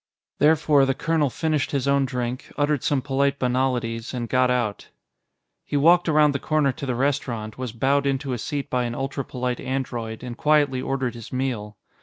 Therefore, the colonel finished his own drink, uttered some polite banalities and got out. He walked around the corner to the restaurant, was bowed into a seat by an ultrapolite android, and quietly ordered his meal.